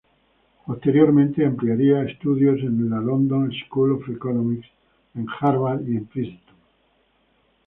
Posteriormente ampliaría estudios en la London School of Economics, en Harvard y en Princeton.